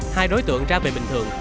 hai đối tượng ra về bình thường